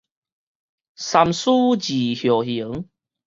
三思而後行